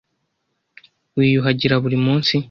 Wiyuhagira buri munsi?